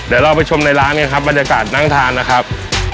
เดี๋ยวเราไปชมในร้านเนี่ยครับบรรยากาศนั่งทานนะครับ